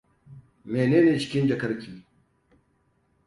Mene ne cikin jakarki?